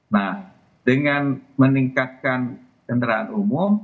nah dengan meningkatkan kendaraan umum